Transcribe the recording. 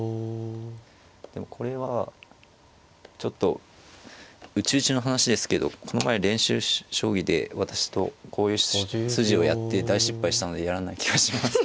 でもこれはちょっと内々の話ですけどこの前練習将棋で私とこういう筋をやって大失敗したのでやらない気がします。